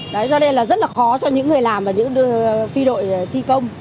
đấy do đây là rất là khó cho những người làm và những phi đội phi công